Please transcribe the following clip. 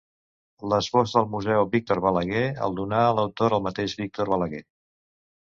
L'esbós del Museu Víctor Balaguer el donà l'autor al mateix Víctor Balaguer.